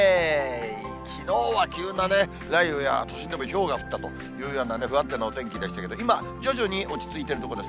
きのうは急なね、雷雨や、都心でもひょうが降ったというような不安定なお天気でしたけど、今、徐々に落ち着いているところです。